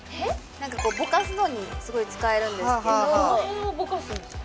ぼかすのにすごい使えるんですけどどの辺をぼかすんですか？